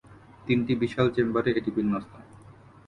তিনটি বিশাল চেম্বারে এটি বিন্যস্ত।